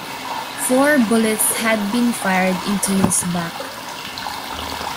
Four bullets had been fired into his back.